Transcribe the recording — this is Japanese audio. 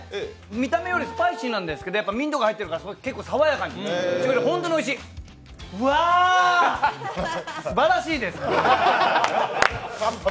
見た目よりスパイシーなんですけど、ミントが入ってるからすごい結構爽やかに本当においしいわー、すばらしいです。